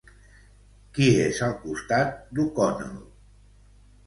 Qui és al costat d'O'Connell?